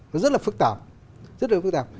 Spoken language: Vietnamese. nó rất là phức tạp